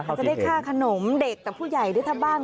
อาจจะได้ข้าขนมเด็กกับผู้ใหญ่ด้วยถ้าบ้าง